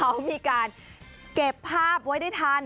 เขามีการเก็บภาพไว้ได้ทัน